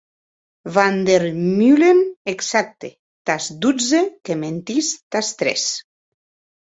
Van der Meulen, exacte, tàs dotze, que mentís tàs tres.